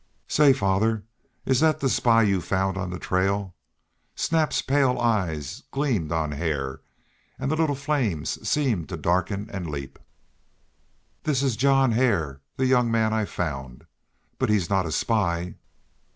"Say, father, is that the spy you found on the trail?" Snap's pale eyes gleamed on Hare and the little flames seemed to darken and leap. "This is John Hare, the young man I found. But he's not a spy."